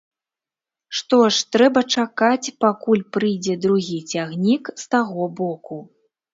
Што ж, трэба чакаць, пакуль прыйдзе другі цягнік з таго боку.